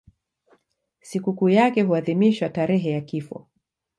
Sikukuu yake huadhimishwa tarehe ya kifo.